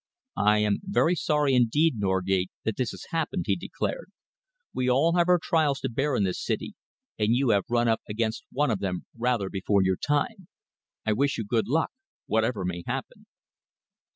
"I am very sorry indeed, Norgate, that this has happened," he declared. "We all have our trials to bear in this city, and you have run up against one of them rather before your time. I wish you good luck, whatever may happen."